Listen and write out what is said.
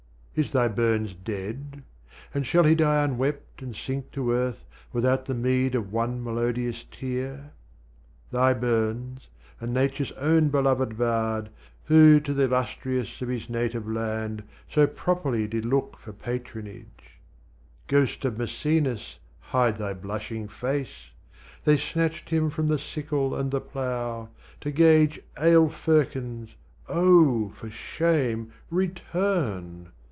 Is thy Burns dead? And shall he die unwept, and sink to earth 'Without the meed of one melodious tear?' Thy Burns, and Nature's own beloved bard, Who to the 'Illustrious of his native Land, So properly did look for patronage.' Ghost of Maecenas! hide thy blushing face! They snatched him from the sickle and the plough To gauge ale firkins. Oh! for shame return!